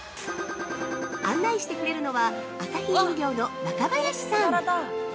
案内してくれるのは、アサヒ飲料の若林さん。